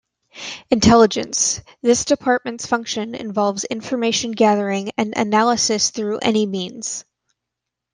Intelligence: this Department's function involves information gathering and analysis through any means.